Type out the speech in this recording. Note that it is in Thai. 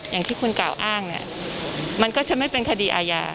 อย่างที่คุณกล่าวอ้างเนี่ยมันก็จะไม่เป็นคดีอาญา